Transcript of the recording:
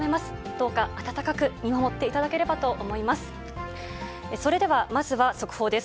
どうか温かく見守っていただければと思います。